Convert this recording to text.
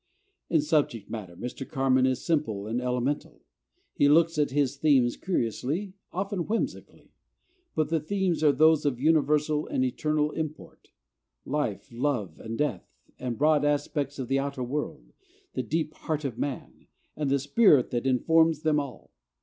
In subject matter Mr. Carman is simple and elemental. He looks at his themes curiously, often whimsically; but the themes are those of universal and eternal import, life, love, and death, the broad aspects of the outer world, the "deep heart of man," and the spirit that informs them all.